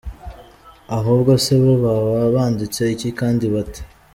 Ahubwo se bo baba banditse iki kandi bate ?